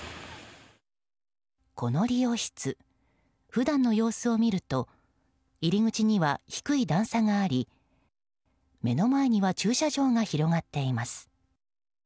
この理容室、普段の様子を見ると入り口には低い段差があり、目の前には駐車場が広がっています。